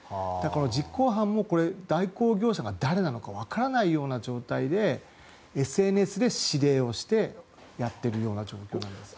実行犯も代行業者が誰か分からないような状態でＳＮＳで指令をしてやってるような状況です。